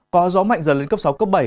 có gió mạnh dần lên cấp sáu cấp bảy